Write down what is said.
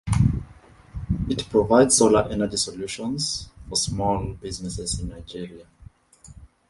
It provides solar energy solutions for small businesses in Nigeria.